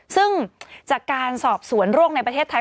ซึ่งจากการสอบสวนโรคในประเทศไทย